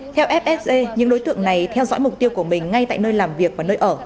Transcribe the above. theo fse những đối tượng này theo dõi mục tiêu của mình ngay tại nơi làm việc và nơi ở